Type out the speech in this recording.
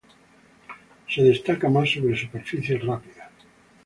Se destaca más sobre superficies rápidas.